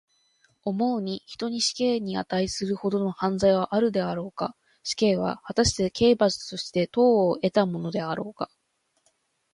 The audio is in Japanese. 思うに、人に死刑にあたいするほどの犯罪があるであろうか。死刑は、はたして刑罰として当をえたものであろうか。